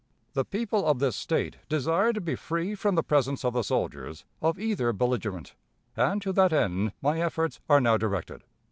The people of this State desire to be free from the presence of the soldiers of either belligerent, and to that end my efforts are now directed.